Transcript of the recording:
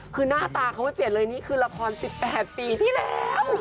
คือหน้าตาเขาไม่เปลี่ยนเลยนี่คือละคร๑๘ปีที่แล้ว